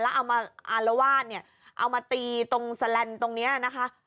แล้วเอามาอารวาลเอามาตีตรงสแลนด์ตรงนี้นะคะ